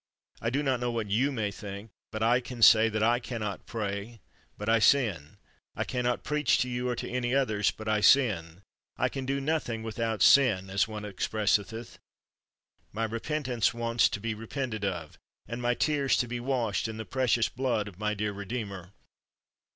I do not know what you may think, but I can say that I can not pray but I sin — I can not preach to you or to any others but I sin — I can do ro thing without sin ; as 186 WHITEFIELD one expresseth it, my repentance wants to be re pented of, and my tears to be washed in the precious blood of my dear Redeemer.